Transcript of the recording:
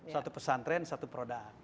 satu pesantren satu produk